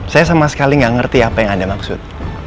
saya sama sekali tidak mengerti apa yang anda maksud